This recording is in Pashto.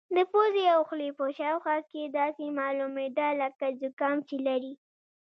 د پوزې او خولې په شاوخوا کې داسې معلومېده لکه زکام چې لري.